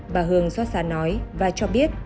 bà hương xót xa nói và cho biết